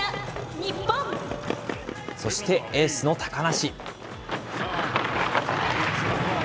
そしてエースの高梨。